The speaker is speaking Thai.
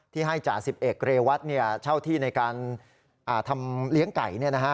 ที่ให้จ่าสิบเอกเรวัตเช่าที่ในการทำเลี้ยงไก่